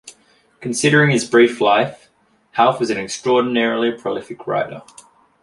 Considering his brief life, Hauff was an extraordinarily prolific writer.